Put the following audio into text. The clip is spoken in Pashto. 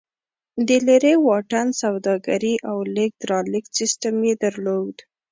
د لېرې واټن سوداګري او لېږد رالېږد سیستم یې درلود